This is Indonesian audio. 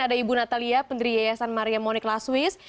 ada ibu natalia pendiri yayasan maria monique lasuiz